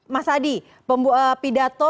mas hadi pidato